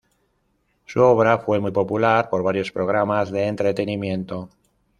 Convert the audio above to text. Su obra fue muy popular por varios programas de entretenimiento.